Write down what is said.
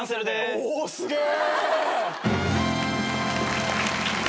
おすげえ！